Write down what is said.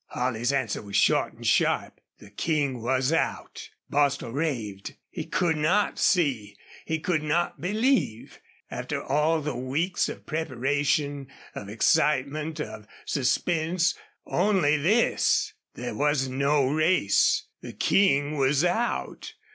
Holley's answer was short and sharp. The King was out! Bostil raved. He could not see. He could not believe. After all the weeks of preparation, of excitement, of suspense only this! There was no race. The King was out!